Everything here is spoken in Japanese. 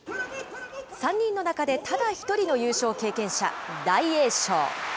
３人の中でただ１人の優勝経験者、大栄翔。